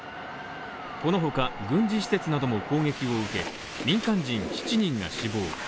この他、軍事施設なども攻撃を受け、民間人１人が死亡。